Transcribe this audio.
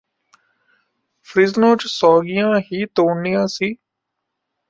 Fresno ਚ ਸੌਗੀਆਂ ਹੀ ਤੋੜਨੀਆਂ ਸੀ